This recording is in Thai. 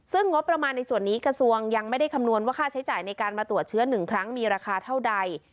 ซึ่งงบประมาณในส่วนนี้กระทรวงยังไม่ได้คำนวณว่าค่าใช้จ่ายในการมาตรวจเชื้อ๑ครั้งมีราคาเท่าใด